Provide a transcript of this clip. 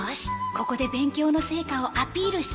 ここで勉強の成果をアピールして